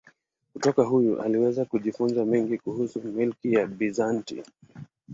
Kutoka huyu aliweza kujifunza mengi kuhusu milki ya Bizanti.